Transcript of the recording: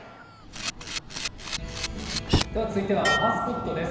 では、続いてはおはＳＰＯＴです。